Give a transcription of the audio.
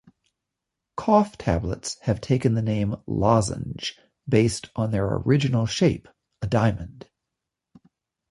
Cough tablets have taken the name lozenge, based on their original shape, a diamond.